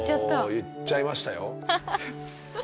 言っちゃいましたよ。